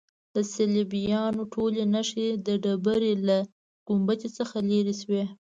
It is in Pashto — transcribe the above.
د صلیبیانو ټولې نښې د ډبرې له ګنبد څخه لیرې شوې.